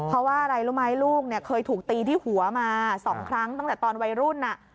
เพราะว่าอะไรรู้ไหมลูกเนี่ยเคยถูกตีที่หัวมา๒ครั้งตั้งแต่ตอนวัยรุ่น